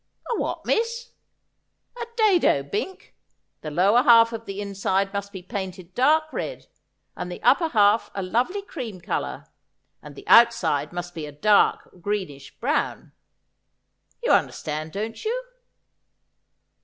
' A what, miss ?'' A dado, Bink. The lower half of the inside must be painted dark red, and the upper half a lovely cream colour ; and the out side must be a dark greenish brown. You understand, don't you?'